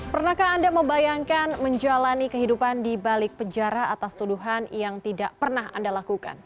pernahkah anda membayangkan menjalani kehidupan di balik penjara atas tuduhan yang tidak pernah anda lakukan